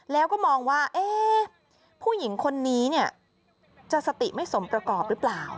แล้วก็มองว่าผู้หญิงคนนี้เนี่ยจะสติไม่สมประกอบหรือเปล่า